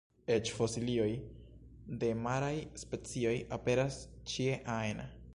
Eĉ fosilioj de maraj specioj aperas ĉie ajn.